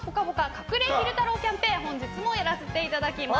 隠れ昼太郎キャンペーン本日もやらせていただきます。